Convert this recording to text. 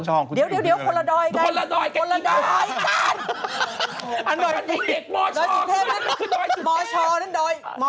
งงเลยค่ะนะครับอันนี้มีแม่กราง